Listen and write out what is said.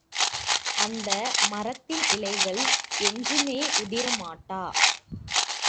அந்த மரத்தின் இலைகள் என்றுமே உதிரமாட்டா!